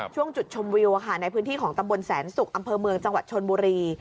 ช่วงจุดชมวิวในพื้นที่ของตำบลแสนศุกร์อำเภอเมืองจังหวัดชนบุรี